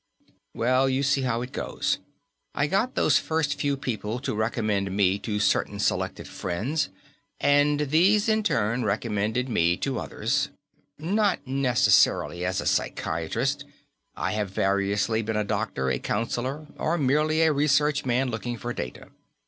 "Well, you see how it goes. I got those first few people to recommend me to certain selected friends, and these in turn recommended me to others. Not necessarily as a psychiatrist; I have variously been a doctor, a counsellor, or merely a research man looking for data.